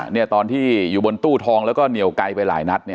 เนี่ยตอนที่อยู่บนตู้ทองแล้วก็เหนียวไกลไปหลายนัดเนี่ย